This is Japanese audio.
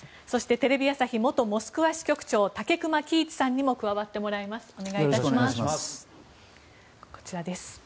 そしてテレビ朝日元モスクワ支局長武隈喜一さんにも加わってもらいます。